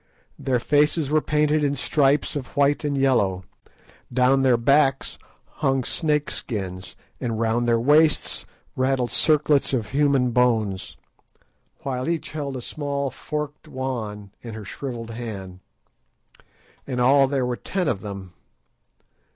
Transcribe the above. Their faces were painted in stripes of white and yellow; down their backs hung snake skins, and round their waists rattled circlets of human bones, while each held a small forked wand in her shrivelled hand. In all there were ten of them.